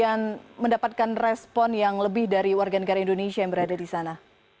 yang mendapatkan respon yang lebih dari warga negara indonesia yang berada di sana